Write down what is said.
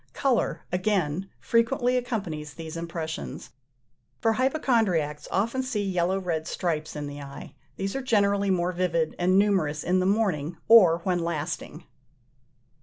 Colour, again, frequently accompanies these impressions: for hypochondriacs often see yellow red stripes in the eye: these are generally more vivid and numerous in the morning, or when lasting.